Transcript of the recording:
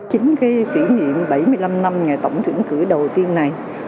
chính cái kỷ niệm bảy mươi năm năm ngày tổng trưởng cử đầu tiên này